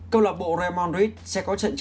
câu lạc bộ raymond reed sẽ có trận tranh vận động